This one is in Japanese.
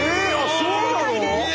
正解です。